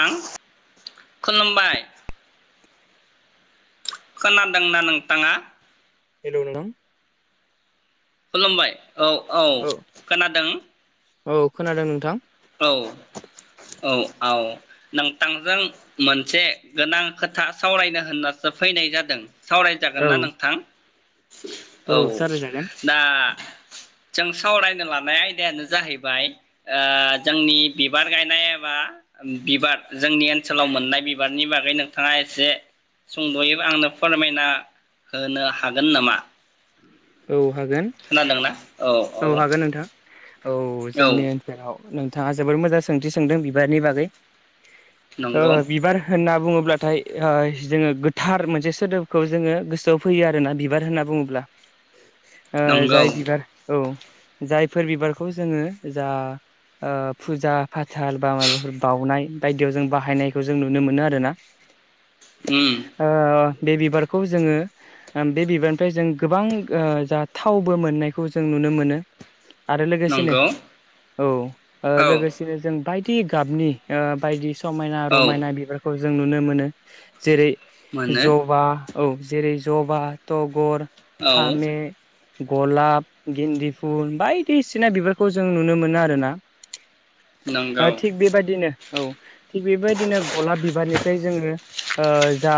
आं खुलुमबाय खोनादोंना नोंथाङा हेलौ नोंथां खुलुमबाय औ औ खोनादों। औ खोनादों नोंथां औ औ आव नोंथांजों मोनसे गोनां खोथा सावरायनो होननासो फैनाय जादों। औ सावरायजागोनना नोंथां‌। औ दा जों सावरायनो लानाय आयदायानो जाहैबाय ओ जोंनि बिबार गायनाय एबा बिबार जोंनि ओनसोलाव मोननाय बिबारनि बागै नोंथाङा एसे सुंद'यै आंनो फोरमायना होनो हागोन नामा? औ हागोन खोनादोंना औ औ हागोन नोंथां औ जोंनि ओनसोलाव नोंथाङा जोबोर मोजां सोंथि सोंदों बिबारनि बागै ओ नंगौ बिबार होनना बुङो। ब्लाथाय ओ जोङो गोथार मोनसे सोदोबखौ जोङो गोसोआव फैयो आरोना बिबार होनना बुङोब्ला ओ नंगौ जाय बिबार ओं जायफोर बिबारखौ जोङो जा ओ फुजा फाथाल बा माबाफोर बाउनाय बायदियाव जों बाहायनायखौ जों नुनो मोनो आरोना उम ओ बे बिबारखौ जोङो बे बिबारनिफ्राय जों गोबां ओ जा थावबो मोननायखौ जों नुनो मोनो। आरो लोगोसेनो नंगौ औ ओ औ लोगोसेनो जों बाय टि गाबनि ओ बायदि समायना औ रमायना बिबारखौ जों नुनो मोनो जेरै मोनो जबा औ जेरै जबा तगर औ फामे गलाब गेन्दि फुल बायदिसिना बिबारखौ जों नुनो मोनो आरो ना नंगौ ओ थिग बेबायदिनो औ थिग बेबायदिनो गलाब बिबारनि जोङो जा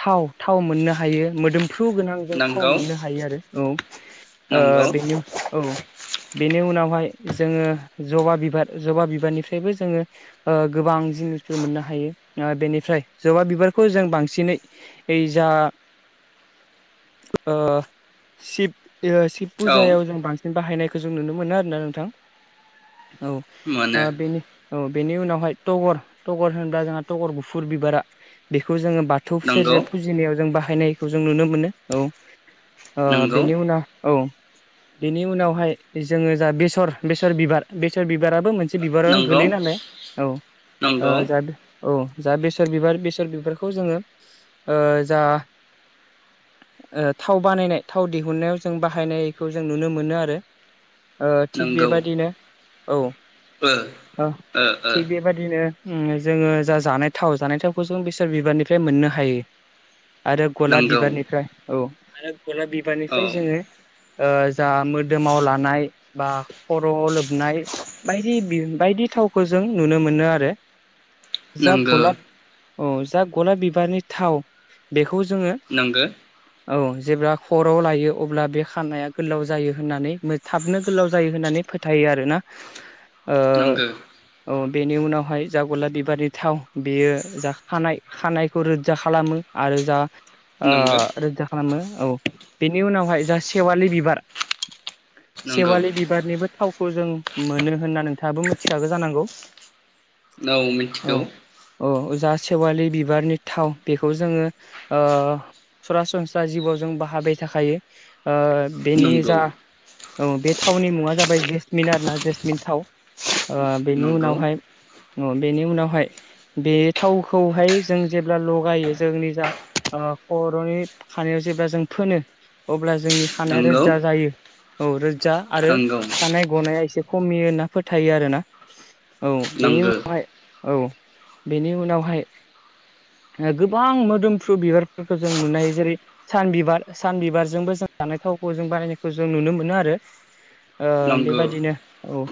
थाव थाव मोननो हायो मोदोम फ्रु गोनां जों थाव नंगौ मोननो हायो आरो नंगौ औ ओ औ बेनि उनावहाय जोङो जबा बिबार जबा बिबारनिफ्रायबो जोङो ओ गोबां जिनिसफोर मोननो हायो बेनिफ्राय जबा बिबारखौ जों बांसिनै ओ जा ओ सिब औ फुजायाव जों बांसिन बाहायनाय खौ जों नुनो मोना आरोना नोंथां औ मोनो ओ बेनि ओ बेनि उनावहाय टगर टगर होनबा जोंहा टगर गुफुर बिबारा बेखौ जोङो बाथौ नंगौ फिथेरजों फुजिनायाव जों बाहायनायखौ जों नुनो मोनो औ ओ नंगौ बेनि उनाव औ बेनि उनावहाय जोङो जा बेसर बेसर बिबार बेसर बिबार बिबाराबो मोनसे बिबारावनो नंगौ गोलैयो नालाय औ नंगौ ओ जा औ जा बेसर बिबार बेसर बिबारखौ जोङो ओ जा ओ थाव बानायनाय थाव दिहुननायाव जों बाहायनाय खौ जों नुनो मोनो आरो ओ थिग नंगौ बेबादिनो औ ओ औ ओ ओ थिग बेबादिनो उम जोङो जा जानाय थाव जानाय थावखौ जों बिसोर बिबारनिफ्राय मोननो हायो। आरो गलाब नंगौ बिबारनिफ्राय औ आरो गलाब औ बिबारनिफ्राय जोङो ओ जा मोदोमाव लानाय बा खर'आव लोबनाय बायदि बि बायदि थावखौ जों नुनो मोनो आरो जा नोंगो गलाब औ जा गलाब बिबारनि थाव बेखौ जोङो नंगो औ जेब्ला खर'आव लायो अब्ला बे खानाया गोलाव जायो होननानै थाबनो गोलाव जायो होननानै फोथायो आरोना ओ नंगौ औ बेनि उनावहाय जा गला बिबारि थाव बेयो जा खानाय खानायखौ रोजा खालामो आरो जा नोंगो रोजा खालामो औ बेनि उनावहाय जासि खेववलि बिबार नोंगौ सेवालि बिबारनिबो थावखौ जों मोनो होनना नोंथाङाबो मिथिखागौ जानांगौ औ मिथिगौ औ औ जा सेवालि बिबारनि थाव बेखौ जोंङो सरासनस्रा जिबआव जों बाहाबाय थाखायो ओ बेनि नंगौ जा औ बे थावनि मुंङा जाबाय जेसमिन आरो ना जेसमिन थाव बेनि नंगौ उनावहाय अ बेनि उनावहाय बे थावखौहाय जों जेब्ला लगायो जोंनि जा खर'नि खानायाव जेब्ला जों फोनो अब्ला जोंनि खानाया नंगौ रोजा जायो औ जा आरो नंगौ थानाय गनाया एसे खमि ना फोथायो आरो ना औ बेनि नंगो उनावहाय औ बेनि उनावहाय गोबां मोदोमफ्रु बिबारफोरखौ जों नुनाय जेरै सान बिबार सान बिबारजोंबो जों जानाय थावखौ जों बानायनायखौ जों नुनो मोनो आरो नंगौ बेबायदिनो औ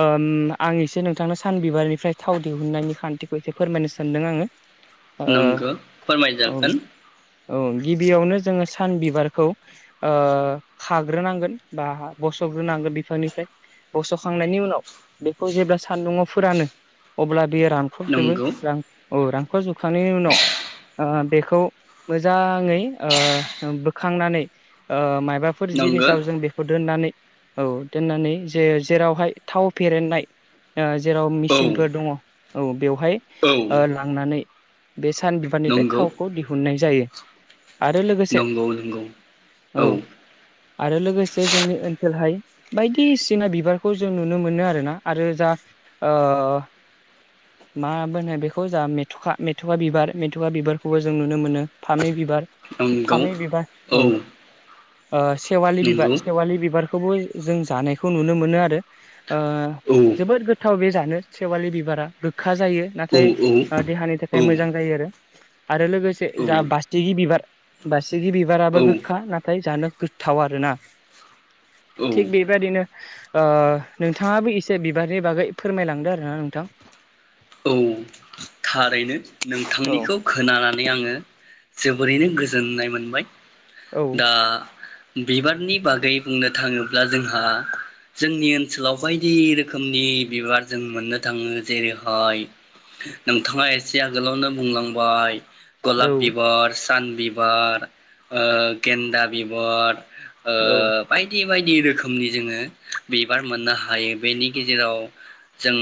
आं एसे नोंथांनो सानबिबारनिफ्राय थाव दिहुननायनि खान्थिखौ एसे फोरमायनो सानदों आंङो नंगौ फोरमायजागोन औ गिबियावनो जोंङो सान बिबारखौ खाग्रोनांगोन बा बसग्रोनांगोन बिफांनिफ्राय बसखांनायनि उनाव बेखौ जेब्ला सान्दुंङआव फोरानो अब्ला दै रानक्रबजोबो नंगौ स्रां औ रां न जुखांनायनि उनाव बेखौ मोजांङै बोखांनानै ओ मा माबाफोर नंगो जिनिसाव जों बेखौ दोननानै औ दोननानै जे जेरावहाय थाव फेरेननाय ओ जेराव औ मेसिनफोर दङ औ बेवहाय औ ओ लांनानै बे सान बिबारनिफ्राय नंगौ थावखौ दिहुननाय जायो। आरो लोगोसे नंगौ नंगौ। औ आरो लोगोसे जोंनि ओनसोलहाय बायदिसिना बिबारखौ जों नुनो मोनो आरोना आरो जा ओ मा होनो बेखौ जा मेथ'खा मेथ'खा बिबार मेथ'खाा बिबारखौबो जों नुनो मोनो फामि बिबार नंगौ फामि बिबार औ ओ सेवालि बिबार नंगौ सेवलि बिबार बे खौबो जों जानायखौ नुनो मोनो आरो ओ औ जोबोद गोथाव बे जानो सेेवालि बिबारा गो खा जायो औ नाथाय देहानि थाखाय मोजां जायो आरो आरो लोगोसे जा बास्टिगि बिबार बा स्टिगि औ बिबाराबो गोखा ना फ जानो गोथाव आरोना औ थिग बेबाददिनो ओ नोंथाङाबो एसे बिबारनि बागै फोरमायलांदो आरोना नोंथां। औ थारैनो औ नोंथांनिखौ खोनानानै आङो जोबोरैनो गोजोननाय मोनबाय औ दा बिबारनि बागै बुंनो थाङोब्ला जोंहा जोंनि ओनसोलाव बायदि रोखोमनि बिबार जों मोननो थाङो जेरैहाय नोंथाङा एसे आगोलावनो बुंलांबाय गलाप औ बिबार सान बिबार ओ गेन्दा बिबार ओ औ बायदि बे बायदि रोखोमनि जोङो बिबार मोननो हायो बेनि गेजेराव जों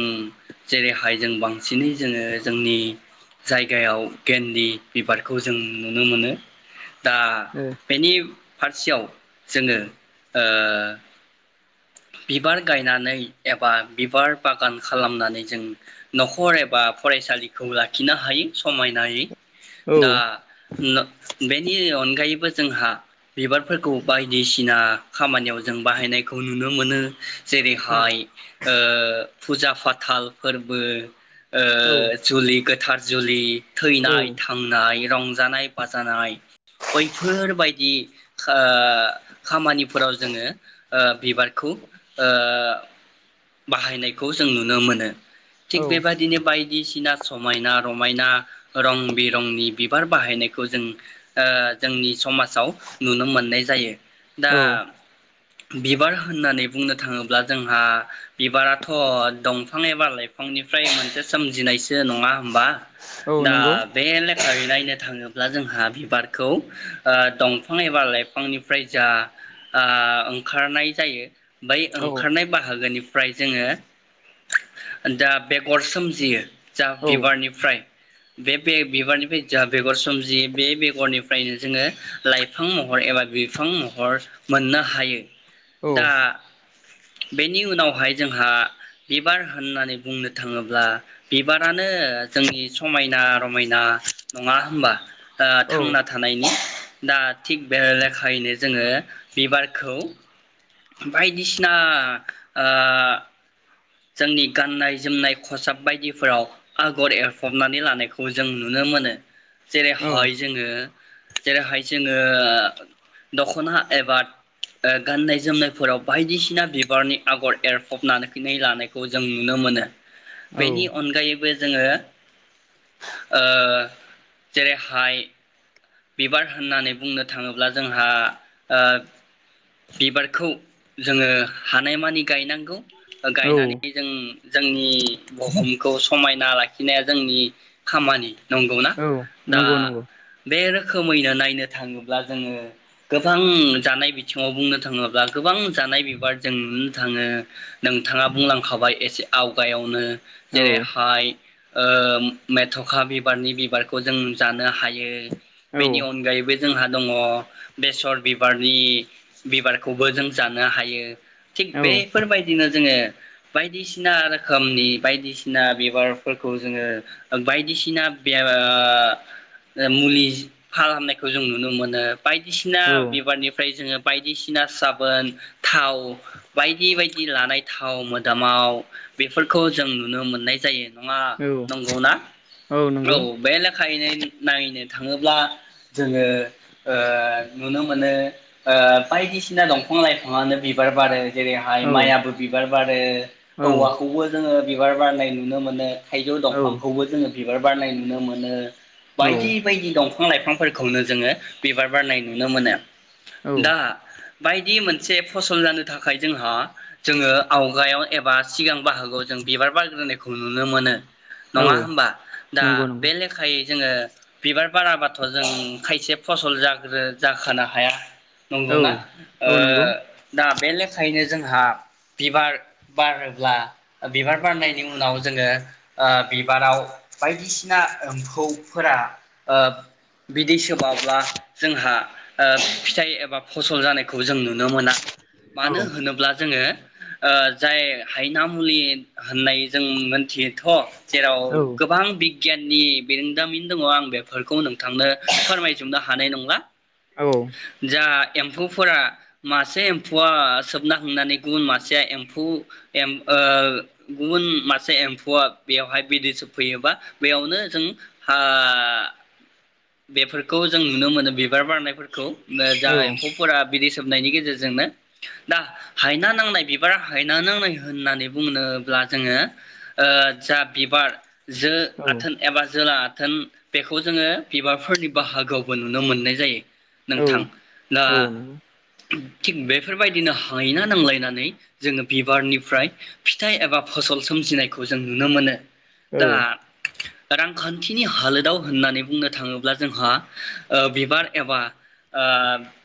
जेरैहाय जों बांसिनै जोङो जोंनि जायगायाव गन्दि बिबारखौ जों नुनो मोनो दा बेनि फारसेयाव जोङो ओ बिबार गायनानै एबा बिबार बागान खालामनानै जों न'खर एबा फरायसालिखौ लाखिनो हायो समायनायै औ दा न बेनि अनगायैबो जोंहा बिबारफोरखौ बायदिसिना खामानियाव जों बाहायनायखौ नुनो मोनो जेरैहाय ओ फुजा फाथाल फोरबो औ ओ जुलि थारजुलि औ थैनाय थांनाय रंजानाय बाजानाय बैफोरबायदि खो खामानिफोराव जोङो ओ बिबारखौ ओ बाहायनायखौ जों नुनो मोनो। थिक औ बेबादिनो बाय बायदिसिना समायना रमायना रं बिरंनि बिबार बाहायनायखौ जों ओ जोंनि समाजाव नुनो मोननाय जायो। दा औ बिबार होननानै बुंनो थाङोब्ला जोंहा बिबाराथ' दंफां एबा लाइफांनिफ्राय मोनसे सोमजिनायसो नङा होमबा? औ दा नंगौ बेले ओरै नायनो थाङोब्ला जोंहा बिबारखौ ओ दंफां एबा लाइफांनिफ्राय जा ओ ओं ओंखारनाय जायो। बै औ ओंखारनाय बाहागोनि फ्राय जोङो दा बेगर सोमजियो। जा औ बिबारनिफ्राय बे बे बिबारनिफ्राय ज बेगर सोमजियो बे बेगरनिफ्रायनो जोङो लाइफां महर एबा बिफां महर मोननो हायो। औ दा बेनि उनाव बेवहाय जोंहा बिबार होननानै बुंनो थाङोब्ला बिबारानो जोंनि समायना रमायना नङा होमबा? ओ औ थांना थानायनि दा थिग बे लेखायैनो जोङो बिबारखौ बायदिसिना ओ जोंनि गाननाय जोमनाय खसाब बायदिफोराव आगर एरफबनानै लानायखौ जों नुनो मोनो। औ जेरैहाय जोङो जेरैहाय जोङो दख'ना एबा गाननाय जोमनायफोराव बायदिसिना बिबारनि आगर एरफबनानै लानाय खौ जों नुनो मोनो। बेनि औ अनगायैबो जोङो ओ जेरैहाय बिबार होननानै बुंनो थाङोब्ला जोंहा ओ बिबारखौ जोङो हानायमानि गायनांगौ औ गायनानै जों जोंनि बुहुमखौ समायना लाखिनाया जोंनि खामानि नंगौना औ दा नंगौ नंगौ बे रोखोमैनो नायनो थाङोब्ला जोङो गोबां जानाय बिथिङाव बुंनो थाङोब्ला गोबां जानाय बिबारजों थाङो नोंथाङा बुंलांखाबाय एसे आवगायावनो। औ जेरै हाइ ओ मेथ'खा बिबारनि बिबारखौ जों जानो हायो। औ बेनि अनगायैबो जोंहा दङ बेसर बिबारनि बिबारखौबो जों जानो हायो थिग औ बेफोरबायदिनो जोङो बायदिसिना रोखोमनि बायदिसिना बिबारफोरखौ जोङो बायदिसिना मुलि फाहामनायखौ जों नुनो मोनो बायदिसिना बिबारनिफ्राय जोङो बायदिसिना साबोन थाव बायदि बायदि लानाय थाव मोदामाव बेफोरखौ जों नुनो मोननाय जायो नङा औ नंगौ ना औ बे लेखायैनो नायनो थाङोब्ला जोङो ओ नुनो मोनो ओ बायदिसिना दंफां लाइफाङानो बिबार बारो जेरैहाय औ माइयाबो बिबार बारो औ औवाखौबो जोङो बिबार बारनाय नुनो मोनो थाइजौ औ दंफांखौबो जोङो बिबार बारनाय नुनो मोनो बायदि दंफां लाइफांफोरखौनो जोङो बिबार बारनाय नुनो मोनो औ दा बायदि मोनसे फसल जानो थाखाय जोंहा जोङो आवगायाव एबा सिगां बाहागोआव जों बिबार बारग्रोनायखौ नुनो मोनो औ नङा होमबा दा नंगौ नंगौ बे लेखायै जोङो बिबार बाराबाथ' जों खायसे फसल जाग्रो जाखोनो हाया औ नंगौना ओ औ नंगौ दा बे लेखायैनो जोंहा ओ बिदि सोमावब्ला जोंहा फिथाइ एबा फसल जानायखौ जों नु नुनो मोना औ औ मानो होनोब्ला जोङो ओ जाय हायना मुलि होननाय जों मोनथियो थ' जेराव औ गोबां बि बिगियाननि बिरदोंमिन दंङ आं बे ओरखौ नोंथांनो फोरमायजोबनो हानाय नंला जा एम्फौफोरा मासे एम्फौआ सोबना थांनानै गुबुन मासेया एम्फौ ओ गुबुन मासे एम्फौआ बेवहाय बिदै सोबफैयोबा बेयावनो जों ओ बेफोरखौ औ जा एम्फौफोरा बिदि सोमनायनि गेजेरजोंनो दा हायना नांनाय बिबारा हायना नांनाय होननानै बुंनोब्ला जोङो ओ जा बिबार जो आथोन एबा जोला आ थोन बेखौ जोङो बिबारफोरनि बाहागोआवबो नुनो मोननाय जायो। नोंथां दा औ नंगौ बेफोरबायदिनो हायना नांलायनानै जोङो बिबारनिफ्राय फिथाइ एबा फसल सोमजिनायखौ जों नुनो मोनो। औ दा रांखान्थिनि हालोदाव होननानै बुंनो थाङोब्ला जोंहा ओ बिबार एबा ओ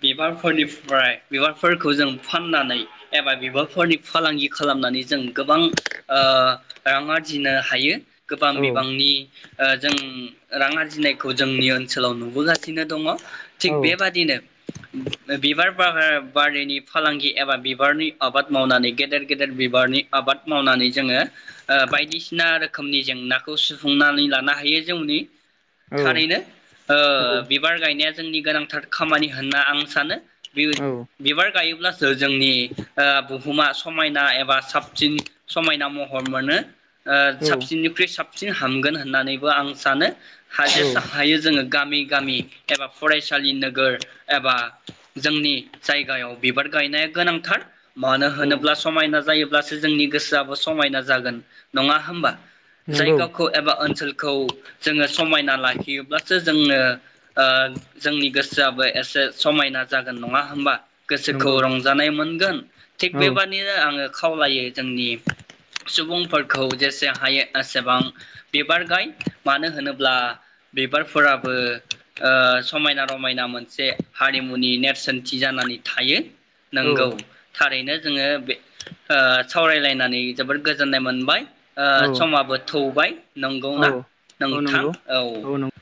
बिबारफोरनिफ्राय बिबारफोरखौ जों फाननानै एबा बिबारफोरनि फालांगि खालामनानै जों गोबां ओ रां आरजिनो हायो। गोबां बिबांनि ओ जों रां आरजिनाय खौ जोंनि ओनसोलाव नुबोगासिनो दङ थिग बेबादिनो बिबार बा-बारिनि फालांगि एबा बिबारनि आबाद मावनानै गेदेर गेदेर बिबारनि आबाद मावनानै जोङो ओ बायदिसिना रोखोमनि जेंनाखौ सुफुंनानै लानो हायो जोंनि औ थारैनो ओ बिबार गायनाया जोंनि गोनांथार खामानि होनना आं सानो। बि-बिबार गायोब्ला जोंनि ओ बुहुमा समायना एबा साबसिन समायना महर मोनो। ओ औ औ साबसिननिखुइ साब हामगोन होननानैबो आं सानो। [unintelligible] औ हायो जोङो गामि गामि एबा फरायसालि नोगोर एबा जोंनि जायगायाव बिबार गायनाया गोनांथार। मानो होनोब्ला औ समायना जायो ब्लासो जोंनि गोसोआबो समायना जागोन नङा होमबा? नंगौ जायगाखौ एबा ओनसोल खौ जोङो समायना लाखियोब्लासो जोंनो ओ जोंनि गोसोआबो एसे समायना जागोन नङा होमबा? गोसोखौ नंगौ रंजानाय मोन [unintelligible] औ थिग बेबादिनो आङो खावलायो जोंनि सुबुंफोरखौ जेसे हायो एसेबां बिबार गाय मानो होनो ब्ला बिबारफोराबो ओ समायना रमायना मोनसे हारिमुनि नेरसोनथि जानानै थायो। औ नोंगौ थारैनो। जोङो सावरायलायनानै जोबोद गोजोननाय मोनबाय। ओ औ समाबो थौ बाइ। नंगौ ना नों। औ थां नंगौ औ।